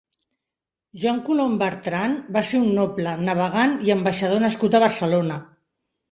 Joan Colom Bertran va ser un noble, navegant i ambaixador nascut a Barcelona.